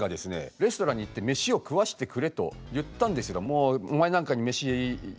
レストランに行って「飯を食わしてくれ」と言ったんですがお前なんかに飯やるかと。